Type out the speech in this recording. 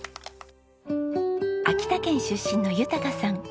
秋田県出身の豊さん。